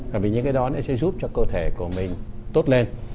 và vì những cái đó nó sẽ giúp cho cơ thể của mình tốt lên